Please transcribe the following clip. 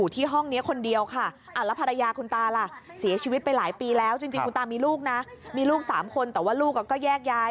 ตอนเกิดเหตุนี้ไม่มีใครอยู่กับแกเลย